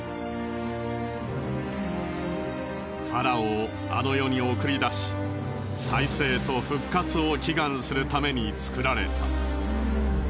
ファラオをあの世に送り出し再生と復活を祈願するために作られた。